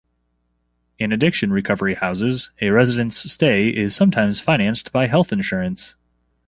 In addiction-recovery houses, a resident's stay is sometimes financed by health insurance.